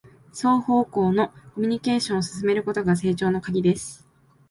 双方向のコミュニケーションを進めることが成長のカギです